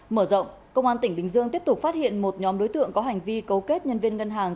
mở rộng công an tỉnh bình dương tiếp tục phát hiện một nhóm đối tượng có hành vi cấu kết nhân viên ngân hàng